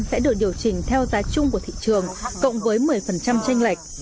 sẽ được điều chỉnh theo giá chung của thị trường cộng với một mươi tranh lệch